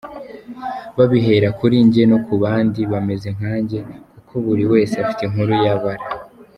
Babihera kuri njye no ku bandi bameze nkanjye kandi buri wese afite inkuru yabara.